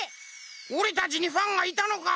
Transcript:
おれたちにファンがいたのか？